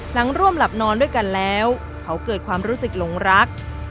หลังร่วมหลับนอนด้วยกันแล้วเขาเกิดความรู้สึกหลงรัก